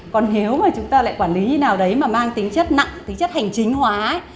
còn nếu mà chúng ta lại quản lý như nào đấy mà mang tính chất nặng tính chất hành chính hóa